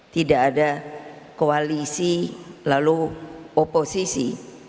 tidak ada koalisi lalu oposisi